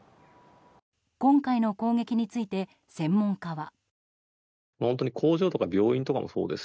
今回の攻撃について専門家は。